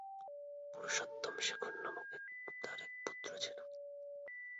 পুরুষোত্তম শেখর নামক তার এক পুত্র ছিল।